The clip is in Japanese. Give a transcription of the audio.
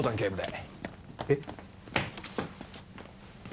えっ。